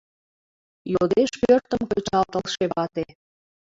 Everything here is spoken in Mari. Йодеш пӧртым кычалтылше вате».